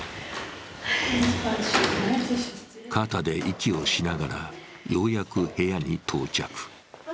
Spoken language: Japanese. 肩で息をしながら、ようやく部屋に到着。